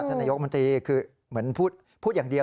นายกมนตรีคือเหมือนพูดอย่างเดียว